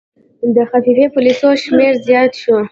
د خفیه پولیسو شمېر زیات شو.